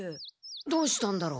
どうしたんだろう？